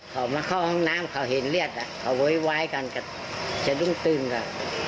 เขามาเข้าห้องน้ำเขาเห็นเลียดอ่ะเขาเว้ยไว้กันกันจะต้องตื่นอ่ะ